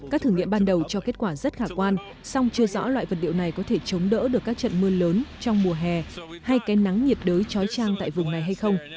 các thử nghiệm ban đầu cho kết quả rất khả quan song chưa rõ loại vật liệu này có thể chống đỡ được các trận mưa lớn trong mùa hè hay cái nắng nhiệt đới chói trang tại vùng này hay không